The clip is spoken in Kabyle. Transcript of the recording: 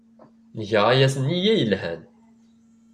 Nga aya s nneyya yelhan.